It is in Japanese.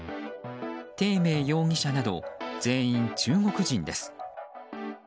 テイ・メイ容疑者など全員中国人です。